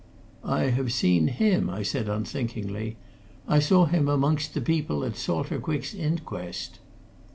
"I have seen him," I said unthinkingly. "I saw him amongst the people at Salter Quick's inquest."